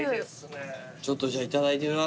ちょっとじゃあいただいてみます。